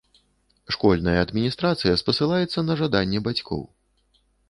Школьная адміністрацыя спасылаецца на жаданне бацькоў.